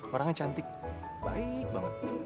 orangnya cantik baik banget